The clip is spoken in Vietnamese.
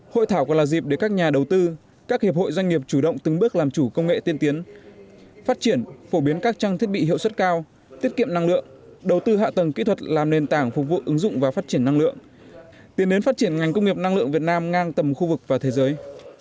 hội thảo còn là dịp để các nhà đầu tư các hiệp hội doanh nghiệp chủ động từng bước làm chủ công nghệ tiên tiến phát triển phổ biến các trang thiết bị hiệu suất cao tiết kiệm năng lượng đầu tư hạ tầng kỹ thuật làm nền tảng phục vụ ứng dụng và phát triển năng lượng tiến đến phát triển ngành công nghiệp năng lượng việt nam ngang tầm khu vực và thế giới